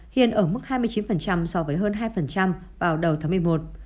hiện ở mức hai mươi chín so với hơn hai vào đầu tháng một mươi một